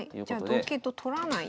じゃあ同桂と取らない。